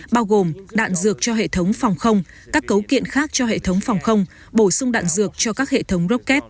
bao gồm đạn dược cho hệ thống phòng không các cấu kiện khác cho hệ thống phòng không bổ sung đạn dược cho các hệ thống rocket